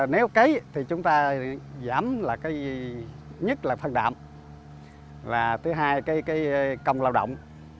nếu cấy thì chúng ta giảm nhất là phân đạm thứ hai là công lao động